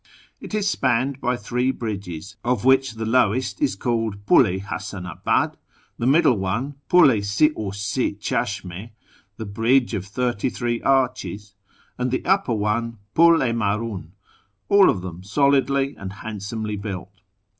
It is spanned by three bridges, of which the lowest is called Pid i Rasandhdd, the middle one Ful i si ii sih chasliiiU (" the bridge of thirty three arches "), and the upper one Pul i Mdnln, all of them solidly and handsomely built.